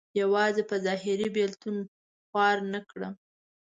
یوازې په ظاهر بېلتون خوار نه کړم.